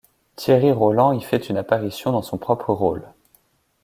Thierry Roland y fait une apparition dans son propre rôle.